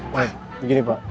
pak begini pak